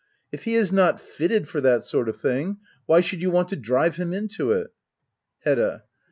If he is not fitted for that sort of things why should you want to drive him into it ? Hedda.